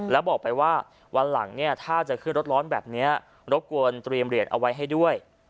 แล้วบอกไปว่าวันหลังเนี่ยถ้าจะขึ้นรถร้อนแบบนี้รบกวนเตรียมเหรียญเอาไว้ให้ด้วย